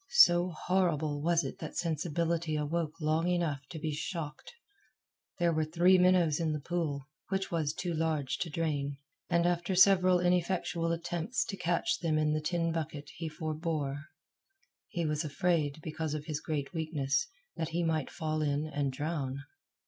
So horrible was it that sensibility awoke long enough to be shocked. There were three minnows in the pool, which was too large to drain; and after several ineffectual attempts to catch them in the tin bucket he forbore. He was afraid, because of his great weakness, that he might fall in and drown.